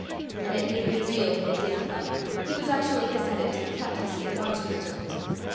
And it made me reel when it did come. He was actually gazetted to a captaincy in a marching regiment!